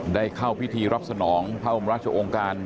ได้เข้าพิธีรับสนองพระบรมราชองค์การ